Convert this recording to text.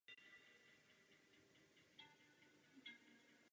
I. Lenina a jiných dobových dokumentárních textů.